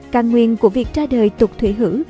càng nguyện của việc ra đời tục thủy hữ